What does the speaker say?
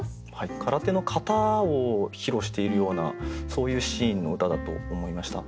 空手の形を披露しているようなそういうシーンの歌だと思いました。